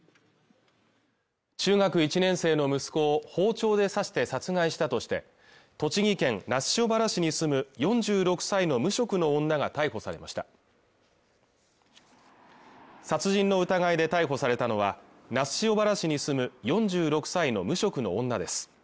中学１年生の息子を包丁で刺して殺害したとして栃木県那須塩原市に住む４６歳の無職の女が逮捕されました殺人の疑いで逮捕されたのは那須塩原市に住む４６歳の無職の女です